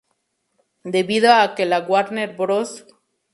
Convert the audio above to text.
Debido a que la Warner Bros.